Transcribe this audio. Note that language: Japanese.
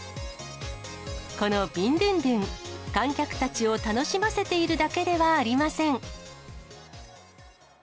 このビンドゥンドゥン、観客たちを楽しませているだけではありません。